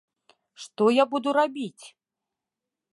Што я буду рабіць?